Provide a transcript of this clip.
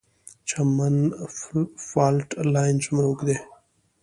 چمن فالټ لاین څومره اوږد دی؟